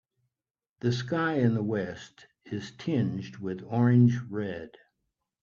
The sky in the west is tinged with orange red.